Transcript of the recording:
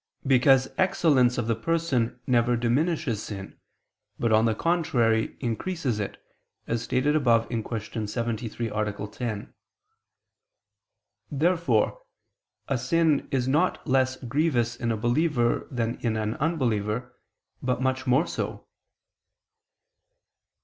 Because excellence of the person never diminishes sin, but, on the contrary, increases it, as stated above (Q. 73, A. 10). Therefore a sin is not less grievous in a believer than in an unbeliever, but much more so.